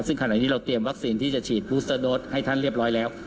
ซึ่งขณะที่เราเตรียมวัคซีนที่จะฉีดบูสเตอร์โดสให้ท่านเรียบร้อยแล้ว